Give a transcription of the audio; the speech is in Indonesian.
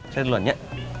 saya duluan ya